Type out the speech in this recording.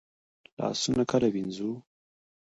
لاسونه کله ووینځو؟